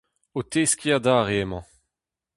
O teskiñ adarre emañ.